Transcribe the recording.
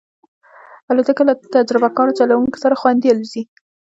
الوتکه له تجربهکار چلونکي سره خوندي الوزي.